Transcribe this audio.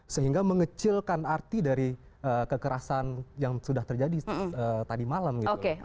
sehingga mengecilkan arti dari kekerasan yang sudah terjadi tadi malam gitu